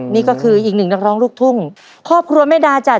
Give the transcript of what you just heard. นี่ก็คืออีกหนึ่งนักร้องลูกทุ่งครอบครัวแม่ดาจาก